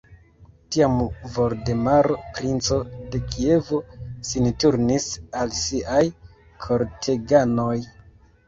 Tiam Voldemaro, princo de Kievo, sin turnis al siaj korteganoj.